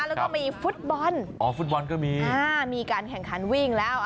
แล้วก็มีฟุตบอลอ๋อฟุตบอลก็มีอ่ามีการแข่งขันวิ่งแล้ว